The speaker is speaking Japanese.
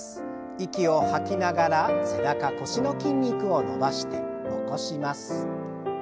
息を吐きながら背中腰の筋肉を伸ばして起こします。